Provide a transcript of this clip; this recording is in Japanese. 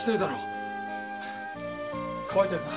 乾いてるな。